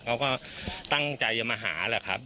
เขาก็ตั้งใจจะมาหาแหละครับ